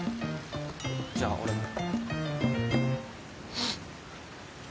じゃあ俺も。